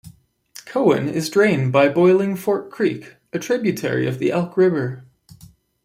Cowan is drained by Boiling Fork Creek, a tributary of the Elk River.